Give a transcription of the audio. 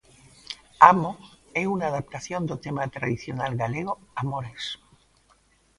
Amo é unha adaptación do tema tradicional galego Amores.